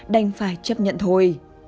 đành phải chấp nhận thôi